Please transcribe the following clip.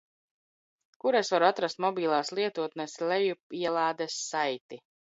Kur es varu atrast mobilās lietotnes lejupielādes saiti?